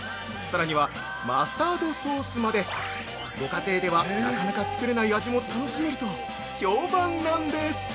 さらにはマスタードソースまで、ご家庭ではなかなか作れない味も楽しめると評判なんです。